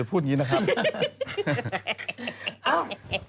คุณพูดงี้นะครับ